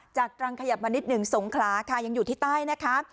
ตรังขยับมานิดหนึ่งสงขลาค่ะยังอยู่ที่ใต้นะคะ